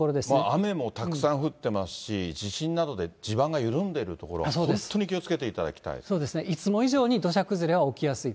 雨もたくさん降ってますし、地震などで地盤が緩んでいる所、そうですね、いつも以上に土砂崩れは起きやすい。